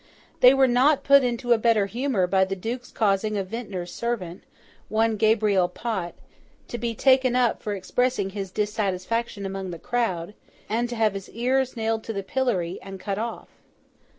They were not put into a better humour by the Duke's causing a vintner's servant, one Gabriel Pot, to be taken up for expressing his dissatisfaction among the crowd, and to have his ears nailed to the pillory, and cut off.